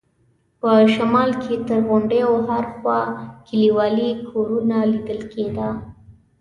په شمال کې تر غونډیو ورهاخوا کلیوالي کورونه لیدل کېده.